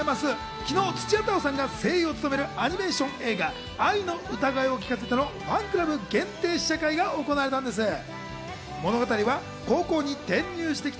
昨日、土屋太鳳さんが声優を務めるアニメーション映画『アイの歌声を聴かせて』のファンクラブ限定記者会見が行われました。